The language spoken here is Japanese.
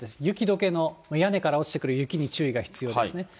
雪どけの、屋根から落ちてくる雪に注意が必要ですね。